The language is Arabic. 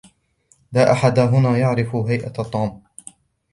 لا أحد هنا يعرف هيئة توم.